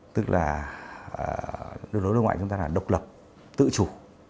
tức là đối với đối ngoại chúng ta là độc lập tự chủ